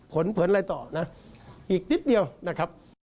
เผลินอะไรต่อนะอีกนิดเดียวนะครับ